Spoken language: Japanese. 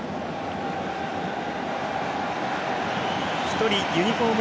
１人ユニフォーム